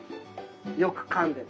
よくかんで。